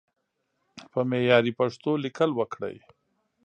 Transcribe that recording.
په معياري پښتو ليکل وکړئ!